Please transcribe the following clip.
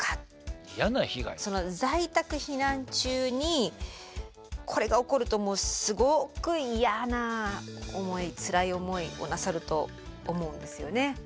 在宅避難中にこれが起こるとすごく嫌な思いつらい思いをなさると思うんですよね。